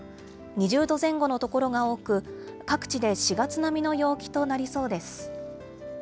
２０度前後の所が多く、各地で４月並みの陽気となりそうです。